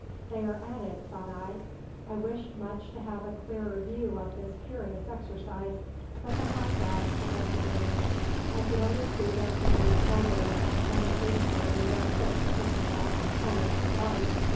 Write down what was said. "They are at it," thought I. I wished much to have a clearer view of this curious exercise, but the high grass prevented me. I could only see their shaggy shoulders, and occasionally their hoofs kicking up over the sward.